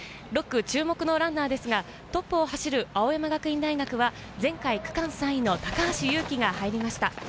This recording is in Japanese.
６区注目のランナーですが、トップを走る青山学院大学は前回区間３位の高橋勇輝が入りました。